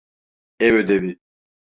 Ev ödevi.